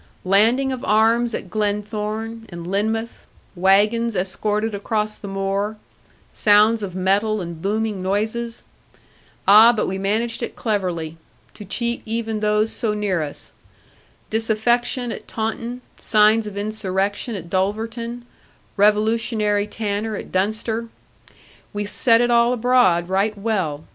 Landing of arms at Glenthorne, and Lynmouth, wagons escorted across the moor, sounds of metal and booming noises! Ah, but we managed it cleverly, to cheat even those so near to us. Disaffection at Taunton, signs of insurrection at Dulverton, revolutionary tanner at Dunster! We set it all abroad, right well.